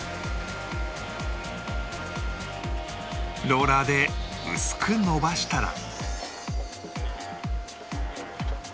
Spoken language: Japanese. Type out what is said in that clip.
ローラーで薄く延ばしたら